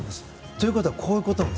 ということは、こういうこと。